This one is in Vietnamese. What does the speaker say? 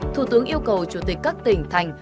thủ tướng yêu cầu chủ tịch các tỉnh thành